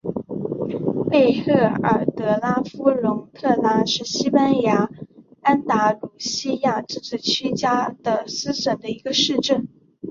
贝赫尔德拉夫龙特拉是西班牙安达卢西亚自治区加的斯省的一个市镇。